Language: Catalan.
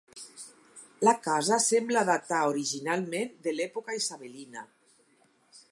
La casa sembla datar originalment de l'època Isabelina.